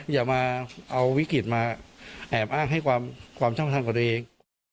อย่ามาเอาวิกฤตมาแอบอ้างให้ความช่องทางกับตัวเอง